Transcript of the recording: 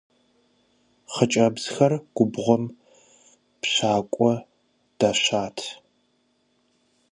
Хъыджэбзхэр губгъуэм пщӀакӀуэ дашат.